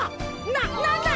なっなんだ！？